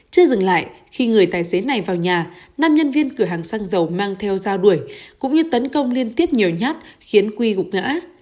chưa dừng lại khi người tài xế này vào nhà năm nhân viên cửa hàng xăng dầu mang theo dao đuổi cũng như tấn công liên tiếp nhiều nhát khiến quy gục ngã